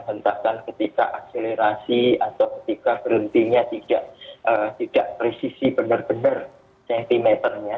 hentakan ketika akselerasi atau ketika berhentinya tidak presisi benar benar sentimeternya